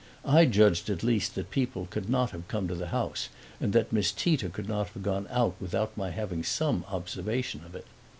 I judged at least that people could not have come to the house and that Miss Tita could not have gone out without my having some observation of it.